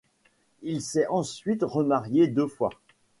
Il s'est ensuite remarié deux fois.